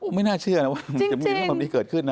ไม่น่าเชื่อนะว่าจะมีแบบนี้เกิดขึ้นนะ